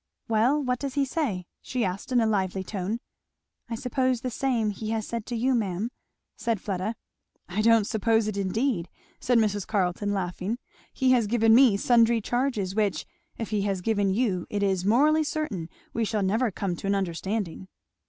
"Well what does he say?" she asked in a lively tone. "I suppose the same he has said to you, ma'am," said Fleda. "I don't suppose it indeed," said Mrs. Carleton laughing, "He has given me sundry charges, which if he has given you it is morally certain we shall never come to an understanding."